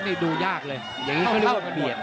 นี่ดูยากเลยอย่างนี้เขาเรียก